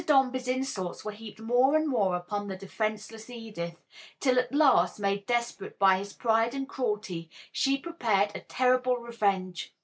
Dombey's insults were heaped more and more upon the defenseless Edith, till at last, made desperate by his pride and cruelty, she prepared a terrible revenge.